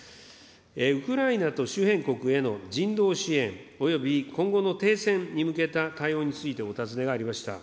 ウクライナと周辺国への人道支援及び今後の停戦に向けた対応についてお尋ねがありました。